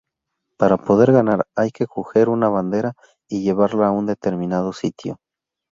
Para poder ganar, hay que coger una bandera y llevarla a un determinado sitio.